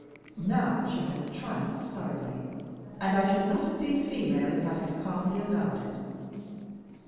Now she had triumphed thoroughly, and I should not have been female if I had calmly allowed it.